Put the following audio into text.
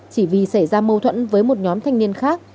chỉ vì xảy ra mâu thuẫn với một nhóm thanh niên khác